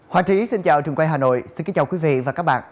hoàng trí xin chào trường quay hà nội xin kính chào quý vị và các bạn